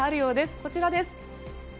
こちらです。